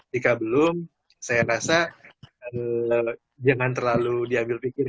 jika belum saya rasa jangan terlalu diambil pikir